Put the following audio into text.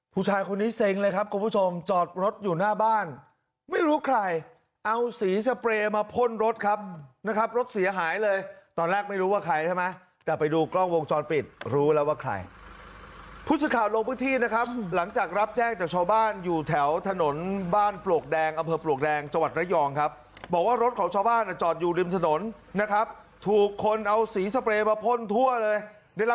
ผู้ชายคนนี้เซ็งเลยครับคุณผู้ชมจอดรถอยู่หน้าบ้านไม่รู้ใครเอาสีสเปรย์มาพ่นรถครับนะครับรถเสียหายเลยตอนแรกไม่รู้ว่าใครใช่ไหมแต่ไปดูกล้องวงจรปิดรู้แล้วว่าใครผู้สื่อข่าวลงพื้นที่นะครับหลังจากรับแจ้งจากชาวบ้านอยู่แถวถนนบ้านปลวกแดงอำเภอปลวกแดงจังหวัดระยองครับบอกว่ารถของชาวบ้านอ่ะจอดอยู่ริมถนนนะครับถูกคนเอาสีสเปรย์มาพ่นทั่วเลยได้รับ